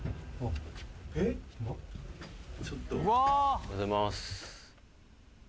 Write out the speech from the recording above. おはようございます。